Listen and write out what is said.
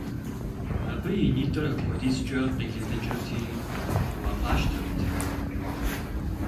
Абы и нитӀыр апхуэдизкӀэ къилыдыкӀырти, уагъащтэрт.